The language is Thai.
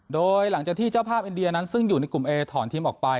โดยหลังจากที่เจ้าภาพอินเดียนั้นซึ่งอยู่ในกลุ่มเอถอนทีมออกไป